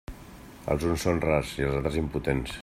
Els uns són rars i els altres impotents.